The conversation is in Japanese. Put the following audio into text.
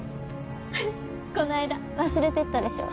この間忘れていったでしょ？